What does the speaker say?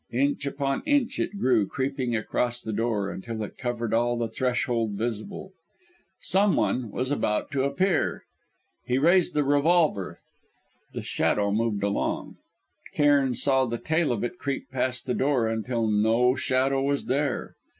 Inch upon inch it grew creeping across the door, until it covered all the threshold visible. Someone was about to appear. He raised the revolver. The shadow moved along. Cairn saw the tail of it creep past the door, until no shadow was there!